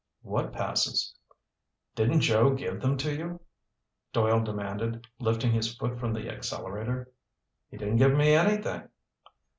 "What passes?" "Didn't Joe give them to you?" Doyle demanded, lifting his foot from the accelerator. "He didn't give me anything."